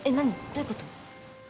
どういうこと？